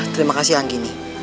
terima kasih anggini